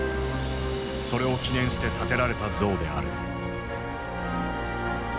それを記念して建てられた像である。